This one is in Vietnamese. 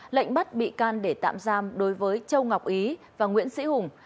lệnh bắt bị can để tạm giam đối với châu ngọc ý và nguyễn sĩ hùng